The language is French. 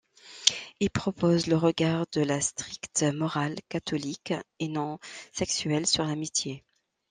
Il propose le regard de la stricte morale catholique et non sexuelle sur l'amitié.